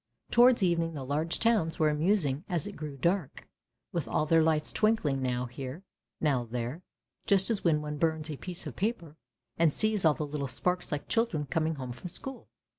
Towards evening the large towns were amusing as it grew dark, with all their lights twinkling now here, now there, just as when one burns a piece of paper and sees all the little sparks like children coming home from school.